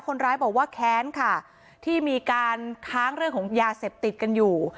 คนร้ายบอกว่าแค้นค่ะที่มีการค้างเรื่องของยาเสพติดกันอยู่